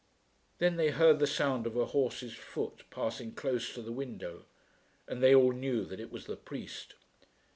Then they heard the sound of a horse's foot passing close to the window, and they all knew that it was the priest.